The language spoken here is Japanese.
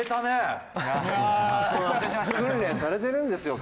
訓練されてるんですよ